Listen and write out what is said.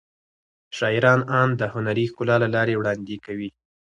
شاعران اند د هنري ښکلا له لارې وړاندې کوي.